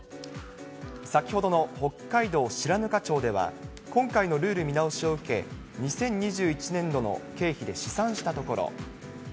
先ほどの北海道白糠町では、今回のルール見直しを受け、２０２１年度の経費で試算したところ。